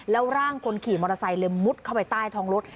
แล้วร่างคนขี่มอเตอร์ไซค์เลยมุดเข้าไปใต้ท้องรถ